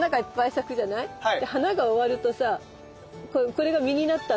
で花が終わるとさこれが実になったんだけどさ